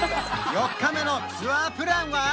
４日目のツアープランは？